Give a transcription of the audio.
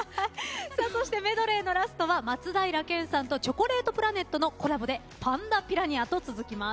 そしてメドレーのラストは松平健さんとチョコレートプラネットのコラボで「パンダピラニア」と続きます。